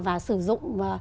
và sử dụng